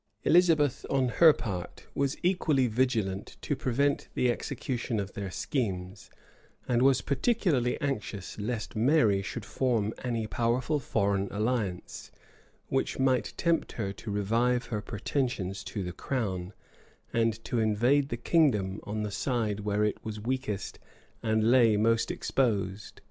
Elizabeth, on her part, was equally vigilant to prevent the execution of their schemes, and was particularly anxious lest Mary should form any powerful foreign alliance, which might tempt her to revive her pretensions to the crown, and to invade the kingdom on the side where it was weakest and lay most exposed.